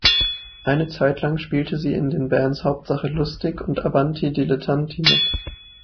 Eine Zeit lang spielte sie in den Bands "Hauptsache Lustig" und "Avanti Dilettanti" mit.